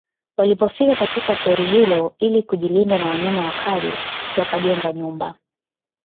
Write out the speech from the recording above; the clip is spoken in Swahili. Walipofika katika pori hilo ili kujilinda na wanyama wakali wakajenga nyumba